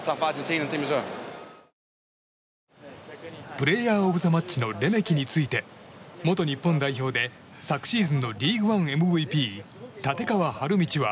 プレーヤー・オブ・ザ・マッチのレメキについて元日本代表で昨シーズンのリーグワンＭＶＰ立川理道は。